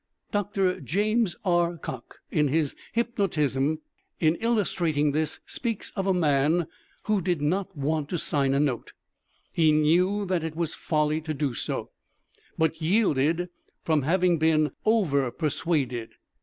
Dr. JAMES R. COCKE in his "Hypnotism," in illustrating this, speaks of a man who did not want to sign a note, he knew that it was folly to do so, but yielded from having been "over persuaded."